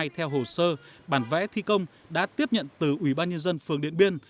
theo hồ sơ bản vẽ thi công đã tiếp nhận từ ủy ban nhân dân phường điện biên